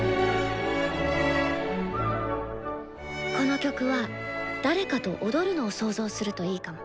この曲は誰かと踊るのを想像するといいかも。